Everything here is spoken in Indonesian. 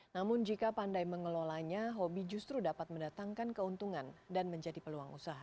namun jika pandai mengelolanya hobi justru dapat mendatangkan keuntungan dan menjadi peluang usaha